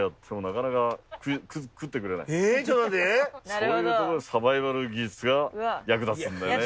そういう所でサバイバル技術が役立つんだよね。